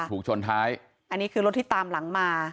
ใช่ค่ะถูกชนไทยอันนี้คือรถที่ตามหลังมา